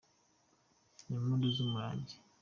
Ni impundu z’umurangi